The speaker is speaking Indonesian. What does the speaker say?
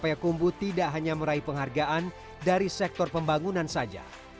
payakumbu tidak hanya meraih penghargaan dari sektor pembangunan saja